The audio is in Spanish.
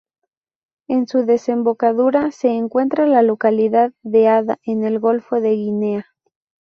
En su desembocadura se encuentra la localidad de Ada, en el golfo de Guinea.